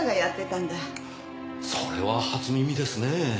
それは初耳ですねぇ。